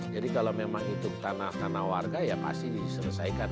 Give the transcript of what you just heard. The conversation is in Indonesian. jadi kalau memang itu tanah tanah warga ya pasti diselesaikan